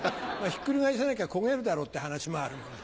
ひっくり返さなきゃ焦げるだろって話もあるもんで。